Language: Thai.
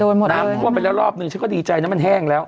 โดนหมดเลยน้ำก้นไปแล้วรอบนึงฉันก็ดีใจนะมันแห้งแล้ว